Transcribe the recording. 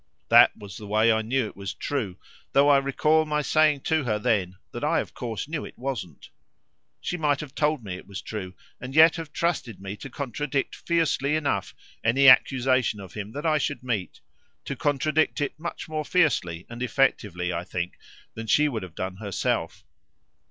That was the way I knew it was true, though I recall my saying to her then that I of course knew it wasn't. She might have told me it was true, and yet have trusted me to contradict fiercely enough any accusation of him that I should meet to contradict it much more fiercely and effectively, I think, than she would have done herself.